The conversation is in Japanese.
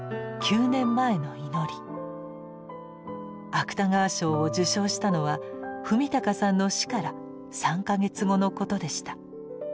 芥川賞を受賞したのは史敬さんの死から３か月後のことでした。